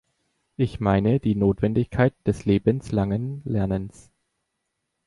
Ich meine die Notwendigkeit des lebenslangen Lernens.